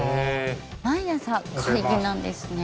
「毎朝会議なんですね」